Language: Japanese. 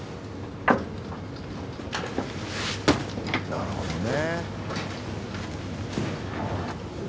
なるほどね。